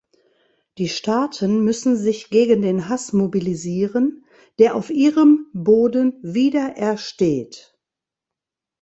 Die Staaten müssen sich gegen den Hass mobilisieren, der auf ihrem Boden wiederersteht.